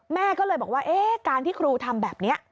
แม่ก็เลยบอกว่าการที่ครูทำแบบนี้